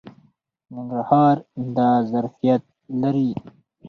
ننګرهار دا ظرفیت لري.